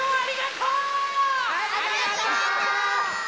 ありがとう！